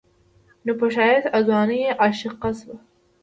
نو پۀ ښايست او ځوانۍ يې عاشقه شوه